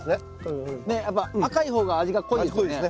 赤い方が味が濃いですよね。